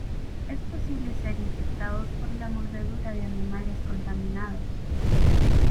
Es posible ser infectado por la mordedura de animales contaminados.